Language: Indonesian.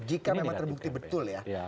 jika memang terbukti betul ya